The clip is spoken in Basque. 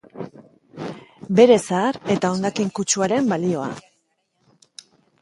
Bere zahar eta hondakin kutsuaren balioa.